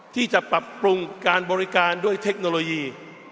ที่จะปรับปรุงการบริการด้วยเทคโนโลยี